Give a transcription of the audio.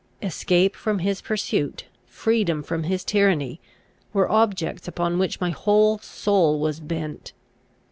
Escape from his pursuit, freedom from his tyranny, were objects upon which my whole soul was bent.